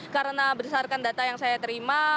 karena berdasarkan data yang saya terima